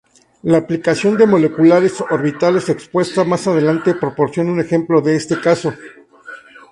La aplicación de moleculares orbitales expuesta más adelante proporciona un ejemplo de este caso.